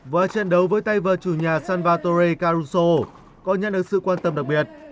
và trận đấu với tay vợ chủ nhà salvatore caruso có nhận được sự quan tâm đặc biệt